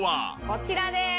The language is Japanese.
こちらです！